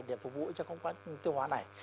để phục vụ cho cái quá trình tiêu hóa này